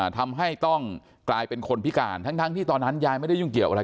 ทำให้ต้องกลายเป็นคนพิการทั้งที่ตอนนั้นยายไม่ได้ยุ่งเกี่ยวอะไร